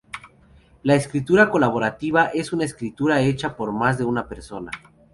La escritura colaborativa es una escritura hecha por más de una persona.